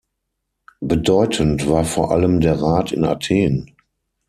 Bedeutend war vor allem der Rat in Athen.